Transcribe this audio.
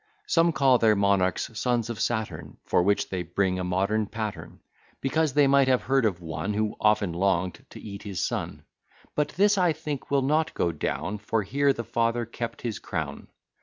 Some call their monarchs sons of Saturn, For which they bring a modern pattern; Because they might have heard of one, Who often long'd to eat his son; But this I think will not go down, For here the father kept his crown.